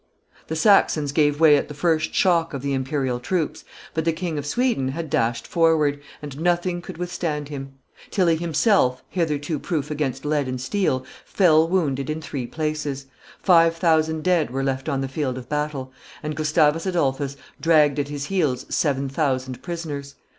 The Saxons gave way at the first shock of the imperial troops, but the King of Sweden had dashed forward, and nothing could withstand him; Tilly himself, hitherto proof against lead and steel, fell wounded in three places; five thousand dead were left on the field of battle; and Gustavus Adolphus dragged at his heels seven thousand prisoners.